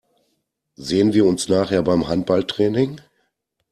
Sehen wir uns nachher beim Handballtraining?